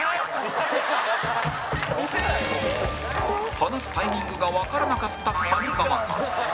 離すタイミングがわからなかった上川さん